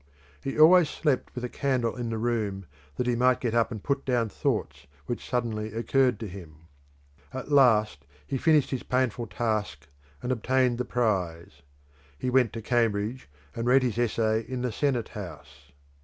He always slept with a candle in the room that he might get up and put down thoughts which suddenly occurred to him. At last he finished his painful task, and obtained the prize. He went to Cambridge, and read his essay in the Senate House.